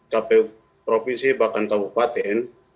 kpu provinsi bahkan kabupaten